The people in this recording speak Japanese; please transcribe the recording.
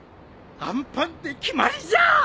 あんパンで決まりじゃ！